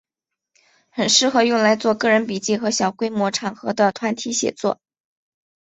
很适合用来做个人笔记和小规模场合的团体写作。